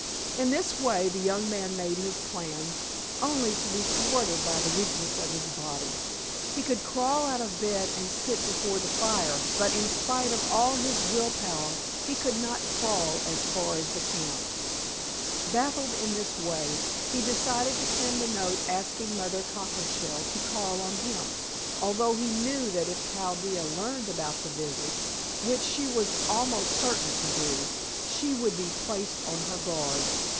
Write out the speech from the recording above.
In this way the young man made his plans, only to be thwarted by the weakness of his body. He could crawl out of bed and sit before the fire, but in spite of all his will power, he could not crawl as far as the camp. Baffled in this way, he decided to send a note asking Mother Cockleshell to call on him, although he knew that if Chaldea learned about the visit which she was almost certain to do she would be placed on her guard.